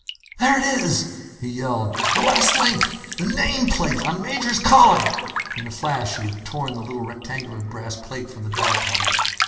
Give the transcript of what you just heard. "There it is!" he yelled. "The last link. The nameplate on Major's collar!" In a flash, he had torn the little rectangular brass plate from the dog collar.